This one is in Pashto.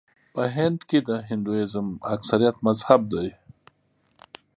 په هند کې د هندويزم اکثریت مذهب دی.